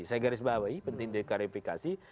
saya garis bawahi penting diklarifikasi